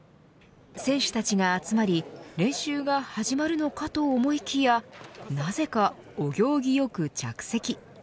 選手たちが集まり練習が始まるのかと思いきやなぜか、お行儀よく着席。